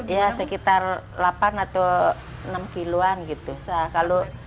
ya sekitar delapan atau enam kiloan gitu